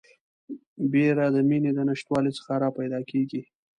بیره د میني د نشتوالي څخه راپیدا کیږي